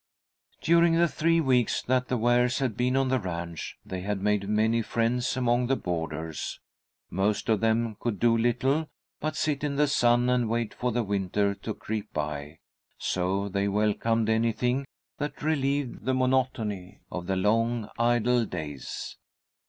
During the three weeks that the Wares had been on the ranch they had made many friends among the boarders. Most of them could do little but sit in the sun and wait for the winter to creep by, so they welcomed anything that relieved the monotony of the long idle days.